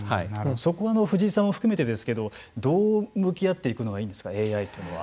そこは藤井さんを含めてですけどどう向き合っていくのがいいんですか、ＡＩというのは。